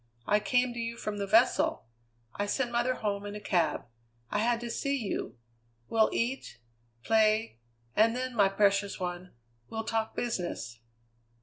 I came to you from the vessel. I sent mother home in a cab. I had to see you. We'll eat play; and then, my precious one, we'll talk business."